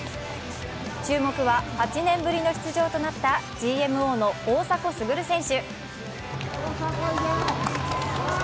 注目は８年ぶりの出場となったＧＭＯの大迫傑選手。